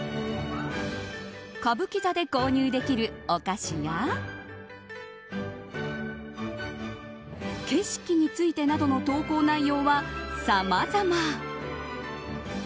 歌舞伎座で購入できるお菓子や景色についてなどの投稿内容はさまざま。